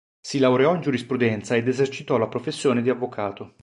Si laureò in giurisprudenza ed esercitò la professione di avvocato.